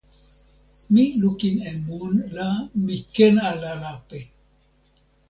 mi lukin e mun la mi ken ala lape.